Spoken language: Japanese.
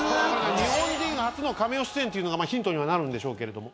「日本人初のカメオ出演」ってまあヒントにはなるんでしょうけれども。